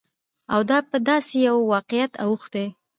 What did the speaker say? او دا په داسې يوه واقعيت اوښتى،